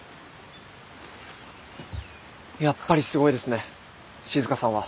やっぱりすごいですね静さんは。